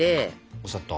お砂糖。